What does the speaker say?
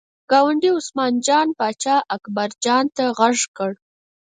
ګاونډي عثمان جان پاچا اکبر جان ته غږ کړل.